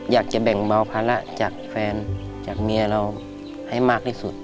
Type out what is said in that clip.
อยากจะแบ่งเบาภาระจากแฟนจากเมียเราให้มากที่สุด